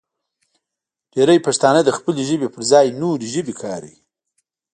ډېری پښتانه د خپلې ژبې پر ځای نورې ژبې کاروي.